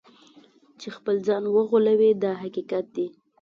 چې خپل ځان وغولوي دا حقیقت دی.